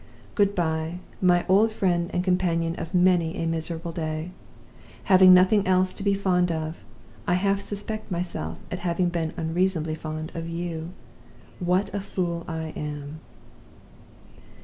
"Good by, my old friend and companion of many a miserable day! Having nothing else to be fond of, I half suspect myself of having been unreasonably fond of you. "What a fool I am!"